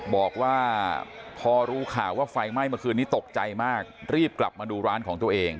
บอกว่าพอรู้ข่าวว่าไฟไหม้เมื่อคืนนี้ตกใจมากรีบกลับมาดูร้านของตัวเอง